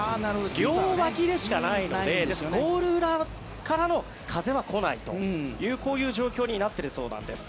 両脇にしかないのでゴール裏からの風は来ないというこういう状況になっているそうなんです。